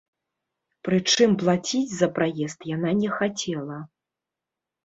Прычым плаціць за праезд яна не хацела.